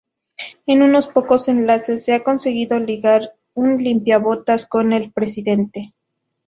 En unos pocos enlaces se ha conseguido ligar un limpiabotas con el presidente.